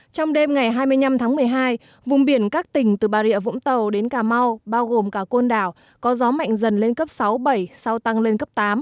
trong đêm ngày hai mươi năm tháng một mươi hai vùng biển các tỉnh từ bà rịa vũng tàu đến cà mau bao gồm cả côn đảo có gió mạnh dần lên cấp sáu bảy sau tăng lên cấp tám